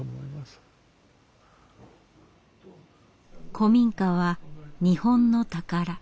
古民家は日本の宝。